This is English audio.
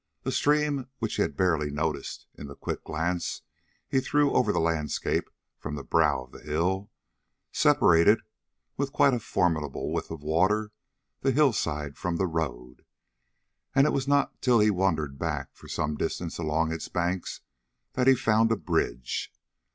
A stream which he had barely noticed in the quick glance he threw over the landscape from the brow of the hill, separated with quite a formidable width of water the hillside from the road, and it was not till he wandered back for some distance along its banks, that he found a bridge.